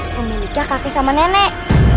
pembicaraan kakek sama nenek